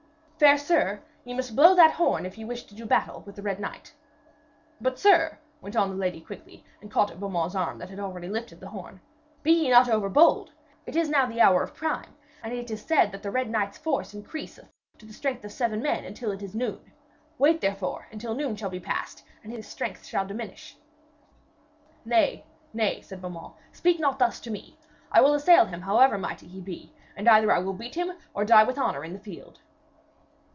'Fair sir, ye must blow that horn if ye wish to do battle with the Red Knight. But, sir,' went on the lady quickly, and caught at Beaumains' arm that already had lifted the horn, 'be ye not overbold. It is now the hour of prime, and it is said that the Red Knight's force increaseth to the strength of seven men until it is noon. Wait, therefore, until noon shall be past, and his strength shall diminish.' 'Nay, nay,' said Beaumains, 'speak not thus to me. I will assail him however mighty he be, and either I will beat him or die with honour in the field.'